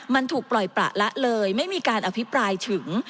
มันถูกปล่อยประละเลยไม่มีการอภิปรายถึง